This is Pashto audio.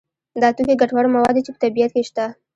دا توکي ګټور مواد دي چې په طبیعت کې شته.